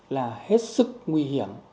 là hết sức nguy hiểm